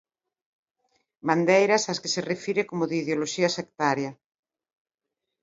Bandeiras ás que se refire como de ideoloxía sectaria.